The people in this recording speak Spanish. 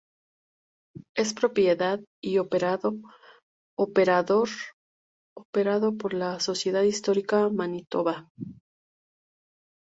Es propiedad y operado por la Sociedad Histórica Manitoba.